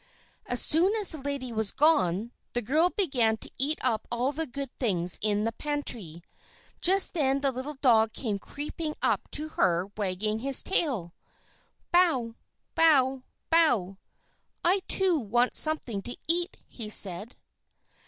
As soon as the lady was gone, the girl began to eat up all the good things in the pantry. Just then the little dog came creeping up to her, wagging his tail. "Bow! Bow! Bow! I, too, want something to eat," he said.